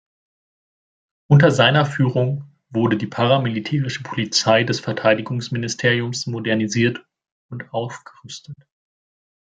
Unter seiner Führung wurde die paramilitärische Polizei des Verteidigungsministeriums modernisiert und aufgerüstet.